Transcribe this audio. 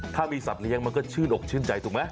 ถ้ามีสัตว์เลี้ยงมันก็ชื่นอกชื่นใจถูกไหม